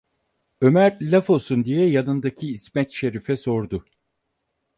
Ömer laf olsun diye yanındaki İsmet Şerif’e sordu: